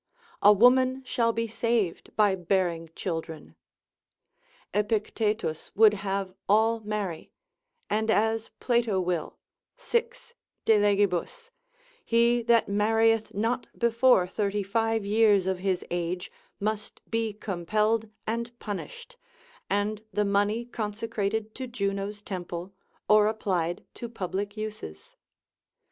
A woman shall be saved by bearing children. Epictetus would have all marry, and as Plato will, 6 de legibus, he that marrieth not before 35 years of his age, must be compelled and punished, and the money consecrated to Juno's temple, or applied to public uses.